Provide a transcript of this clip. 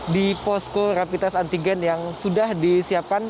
di posko rapid test antigen yang sudah disiapkan